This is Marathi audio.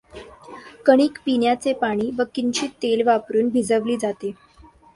कणिक पिण्याचे पाणी व किंचित तेल वापरुन भिजवली जाते.